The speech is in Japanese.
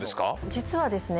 実はですね